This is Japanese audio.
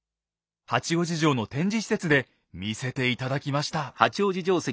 八王子城の展示施設で見せて頂きました。